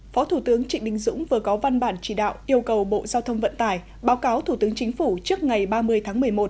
phó thủ tướng trịnh đình dũng vừa có văn bản chỉ đạo yêu cầu bộ giao thông vận tải báo cáo thủ tướng chính phủ trước ngày ba mươi tháng một mươi một